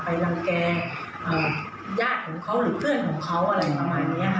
รังแก่ญาติของเขาหรือเพื่อนของเขาอะไรประมาณนี้ค่ะ